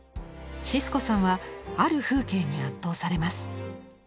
シスコさんはある風景に圧倒されます。